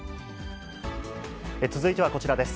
続いてはこちらです。